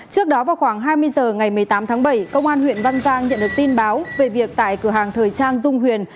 trước đó vào khoảng hai mươi h ngày một mươi tám tháng bảy công an huyện văn giang nhận được tin báo về việc tại cửa hàng thời trang dung huyền